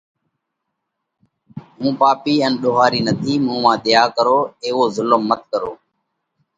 هُون پاپِي ان ۮوهارِي نٿِي۔ مُون مانه ۮئيا ڪرو۔ ايوو ظُلم مت ڪرو،